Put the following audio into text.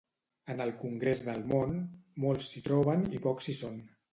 En el congrés del món, molts s'hi troben i pocs hi són.